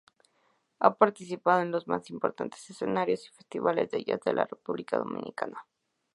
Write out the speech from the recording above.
Ha participado en los más importantes escenarios y festivales de jazz de República Dominicana.